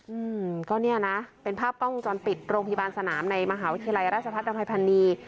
อืมก็เนี่ยนะเป็นภาพกล้องวงจรปิดโรงพยาบาลสนามในมหาวิทยาลัยราชพัฒนอภัยพันนี